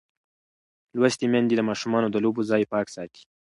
لوستې میندې د ماشومانو د لوبو ځای پاک ساتي.